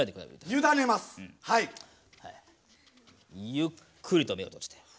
ゆっくりと目を閉じて。